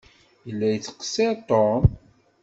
Yella yettqeṣṣiṛ Tom?